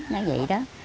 nói vậy đó